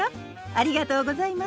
ありがとうございます。